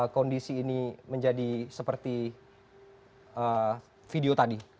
kondisi ini menjadi seperti video tadi